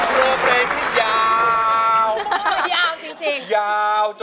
เผลอเพลงยาว